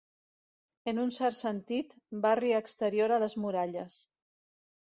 En un cert sentit, barri exterior a les muralles.